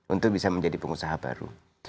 untuk bisa menjadi pengusaha baru